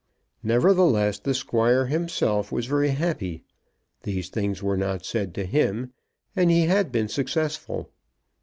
Nevertheless the Squire himself was very happy. These things were not said to him, and he had been successful.